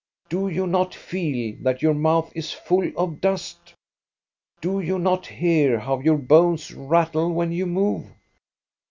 Do you not feel that your mouth is full of dust? Do you not hear how your bones rattle when you move?